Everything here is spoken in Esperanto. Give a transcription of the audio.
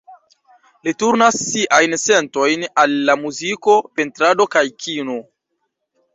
Li turnas siajn sentojn al la muziko, pentrado kaj kino.